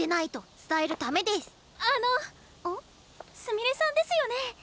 すみれさんですよね？